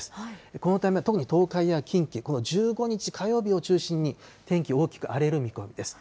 このため特に東海や近畿、この１５日火曜日を中心に、天気、大きく荒れる見込みです。